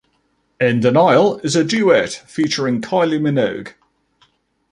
"In Denial" is a duet featuring Kylie Minogue.